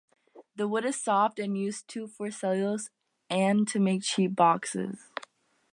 The wood is soft, and used to for cellulose and to make cheap boxes.